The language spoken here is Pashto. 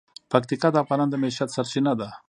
پکتیکا د افغانانو د معیشت سرچینه ده.